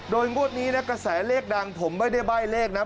โดยงวดนี้นะกระแสเลขดังผมไม่ได้ใบ้เลขนะ